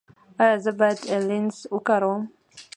ایا زه باید لینز وکاروم؟